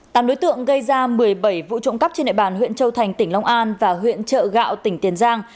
tám đối tượng gây ra một mươi bảy vụ trộm cắp trên địa bàn huyện châu thành tỉnh long an và huyện trợ gạo tỉnh tiền giang